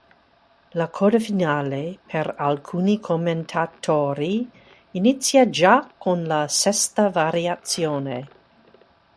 La coda finale, per alcuni commentatori, inizia già con la sesta variazione.